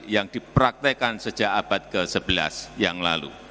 yang dipraktekkan sejak abad ke sebelas yang lalu